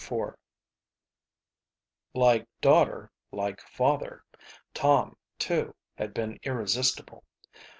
IV Like daughter like father. Tom, too, had been irresistible.